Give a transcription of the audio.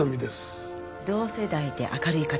同世代で明るい方。